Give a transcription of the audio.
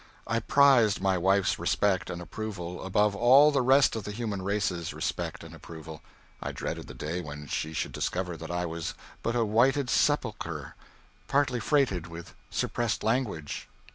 I prized my wife's respect and approval above all the rest of the human race's respect and approval. I dreaded the day when she should discover that I was but a whited sepulchre partly freighted with suppressed language.